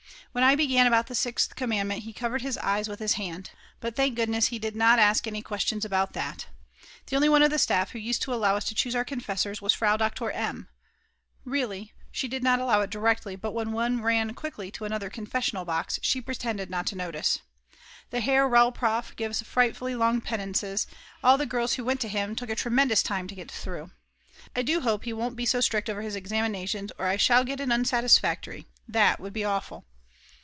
When I began about the sixth commandment he covered his eyes with his hand. But thank goodness he did not ask any questions about that. The only one of the staff who used to allow us to choose our confessors was Frau Doktor M. Really, she did not allow it directly but when one ran quickly to another confessional box, she pretended not to notice. The Herr Rel. Prof gives frightfully long penances; all the girls who went to him took a tremendous time to get through. I do hope he won't be so strict over his examinations or I shall get an Unsatisfactory; that would be awful.